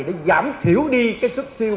để giảm thiểu đi cái xuất siêu